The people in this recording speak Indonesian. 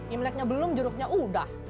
imleknya belum jeruknya udah